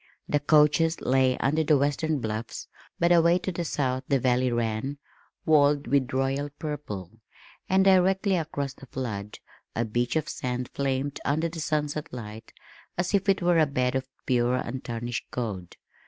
The coaches lay under the western bluffs, but away to the south the valley ran, walled with royal purple, and directly across the flood, a beach of sand flamed under the sunset light as if it were a bed of pure untarnished gold.